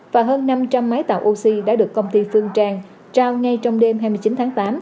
và hơn năm trăm linh máy tạo oxy đã được công ty phương trang trao ngay trong đêm hai mươi chín tháng tám